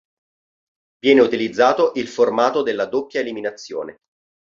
Viene utilizzato il formato della doppia eliminazione.